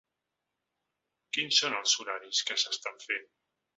Quins son els horaris que s'estan fent?